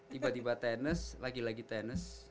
tiba tiba tenis lagi lagi tenis